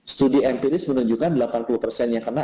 sudah ordenya satu persen